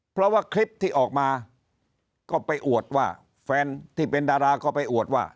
เพราะว่าคลิปที่ออกมาก็ไปอวดว่าแฟนที่เป็นดาราก็ไปอวดว่า